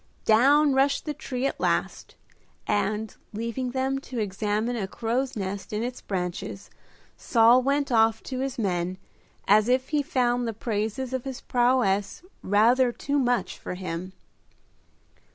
Down rushed the tree at last, and, leaving them to examine a crow's nest in its branches, Saul went off to his men, as if he found the praises of his prowess rather too much for him.